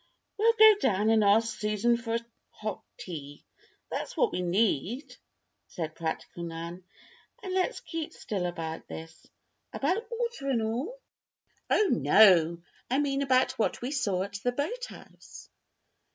"We'll go down and ask Susan for hot tea. That's what we need," said practical Nan. "And let's keep still about this." "About Walter and all?" "Oh, no! I mean about what we saw at the boathouse."